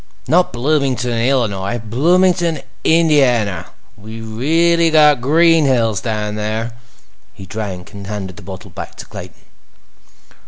Not Bloomington, Illinois—Bloomington, Indiana. We really got green hills down there." He drank, and handed the bottle back to Clayton.